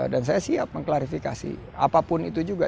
dan saya siap mengklarifikasi apapun itu juga